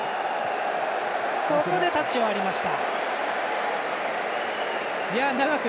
ここでタッチを割りました。